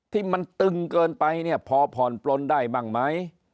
ที่มันตึงเกินไปเนี่ยพอผ่อนปลนได้บ้างไหม